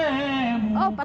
terus balas balas